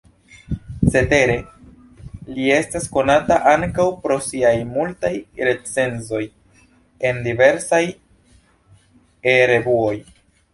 Cetere, li estas konata ankaŭ pro siaj multaj recenzoj en diversaj E-revuoj.